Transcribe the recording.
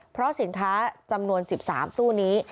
เพราะสินค้าจำนวน๑๓ตู้นี้